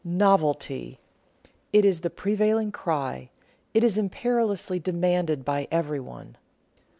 Novelty ! It is the prevailing cry ; it is imperiously demanded by everyone.